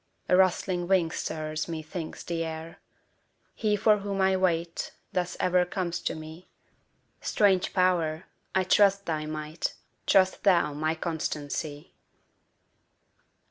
a rustling wing stirs, methinks, the air: He for whom I wait, thus ever comes to me; Strange Power! I trust thy might; trust thou my constancy.